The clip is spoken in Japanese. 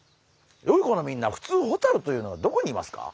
よい子のみんなふつうホタルというのはどこにいますか？